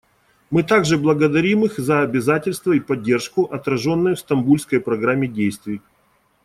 Мы также благодарим их за обязательства и поддержку, отраженные в Стамбульской программе действий.